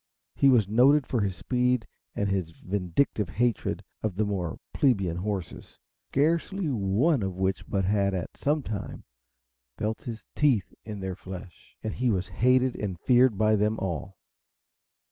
He was noted for his speed and his vindictive hatred of the more plebeian horses, scarcely one of which but had, at some time, felt his teeth in their flesh and he was hated and feared by them all.